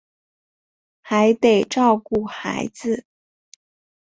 还得照顾孩子